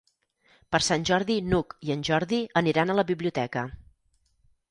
Per Sant Jordi n'Hug i en Jordi aniran a la biblioteca.